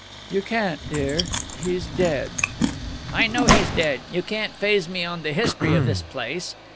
"You can't, dear. He's dead." "I know he's dead. You can't faze me on the history of this place.